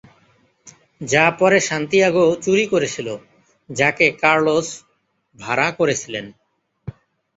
যা পরে সান্তিয়াগো চুরি করেছিল, যাকে কার্লোস ভাড়া করেছিলেন।